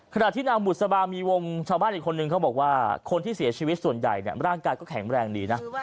ขณะที่นางบุษบามีวงชาวบ้านอีกคนนึงเขาบอกว่าคนที่เสียชีวิตส่วนใหญ่ร่างกายก็แข็งแรงดีนะ